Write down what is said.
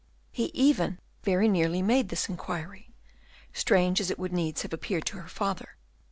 He even very nearly made this inquiry, strange as it would needs have appeared to her father.